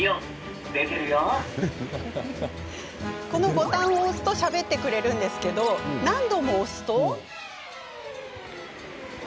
ボタンを押すとしゃべってくれますが何度も押すと。